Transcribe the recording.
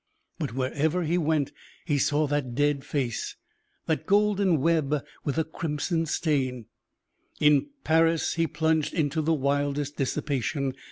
But, wherever he went, he saw that dead face, that golden web with the crimson stain. In Paris he plunged into the wildest dissipation.